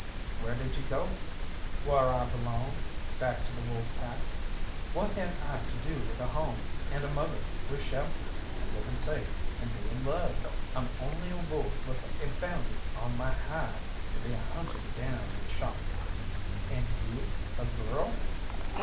"Where did you go?" "Whar I belong, back to the wolf pack. What had I to do with a home, and a mother, with shelter, and livin' safe, and bein' loved? I'm only a wolf with a bounty on my hide, to be hunted down and shot." "And you a girl!"